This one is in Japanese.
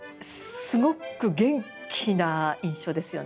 すごく元気な印象ですよね。